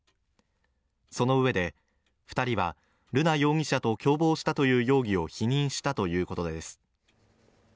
そのうえで２人は、瑠奈容疑者と共謀したという容疑を否認したということです。